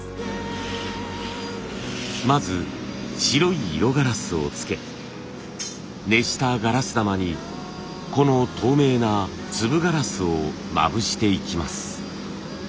まず白い色ガラスをつけ熱したガラス球にこの透明な粒ガラスをまぶしていきます。